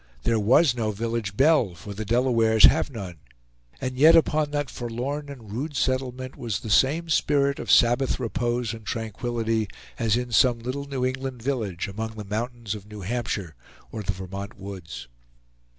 There was no village bell, for the Delawares have none; and yet upon that forlorn and rude settlement was the same spirit of Sabbath repose and tranquillity as in some little New England village among the mountains of New Hampshire or the Vermont woods.